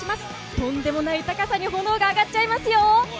とんでもない高さに炎が上がっちゃいますよ。